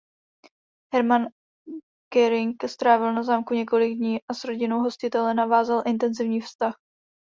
Hermann Göring strávil na zámku několik dní a s rodinou hostitele navázal intenzivní vztah.